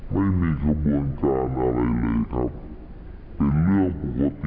ไม่มีขบวนการอะไรเลยครับเป็นเรื่องปกติธรรมดา